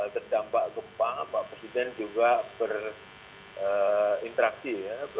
terdampak gempa pak presiden juga berinteraksi